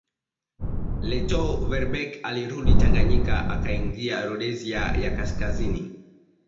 Lettow Vorbeck alirudi Tanganyika akaingia Rhodesia ya Kaskazini